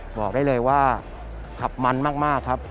บอกได้เลยว่าขับมันมากครับ